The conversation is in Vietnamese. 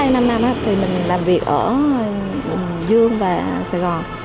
năm năm thì mình làm việc ở dương và sài gòn